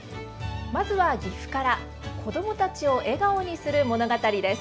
まずは岐阜から子どもたちを笑顔にする物語です。